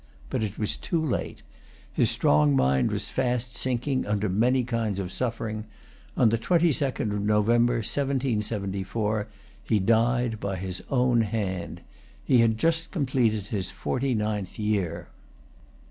But it was too late. His strong mind was fast sinking under many kinds of suffering. On the twenty second of November, 1774, he died by his own hand. He had just completed his forty ninth year.